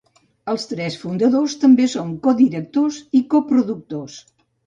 Els tres fundadors també són codirectors i coproductors.